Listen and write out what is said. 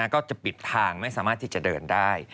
ก็จะปิดทางไม่สามารถที่จะเดินได้